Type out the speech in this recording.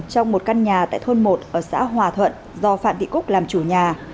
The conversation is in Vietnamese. trong một căn nhà tại thôn một ở xã hòa thuận do phạm thị cúc làm chủ nhà